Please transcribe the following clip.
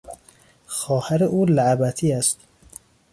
خواهر او لعبتی است!